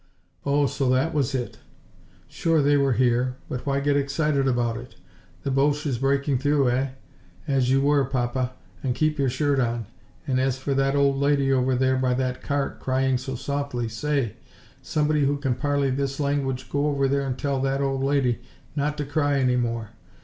Oh, so that was it? Sure they were here, but why get excited about it? ... The Boche is breaking through, eh? As you were, Papa, and keep your shirt on! And as for that old lady over there by that cart, crying so softly say! somebody who can parley this language go over there and tell that old lady not to cry any more.